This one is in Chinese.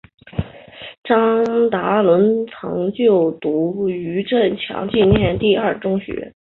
张达伦曾就读余振强纪念第二中学。